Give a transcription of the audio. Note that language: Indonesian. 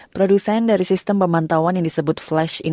produsen dari sistem pemantauan yang disebut flash ini